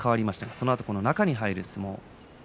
そのあと中に入る相撲。